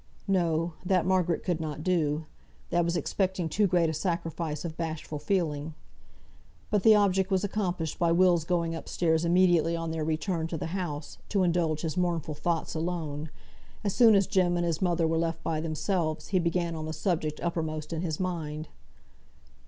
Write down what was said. No! that Margaret could not do. That was expecting too great a sacrifice of bashful feeling. But the object was accomplished by Will's going up stairs immediately on their return to the house, to indulge his mournful thoughts alone. As soon as Jem and his mother were left by themselves, he began on the subject uppermost in his mind.